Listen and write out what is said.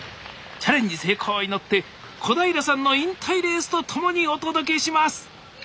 成功を祈って小平さんの引退レースとともにお届けします